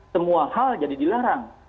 semua hal jadi dilarang